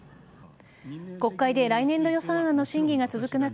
国会で来年度予算案の審議が続く中